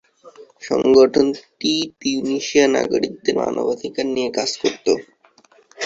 সংগঠনটি তিউনিসীয় নাগরিকদের মানবাধিকার নিয়ে কাজ করত।